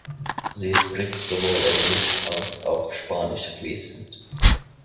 Sie spricht sowohl Englisch als auch Spanisch fließend.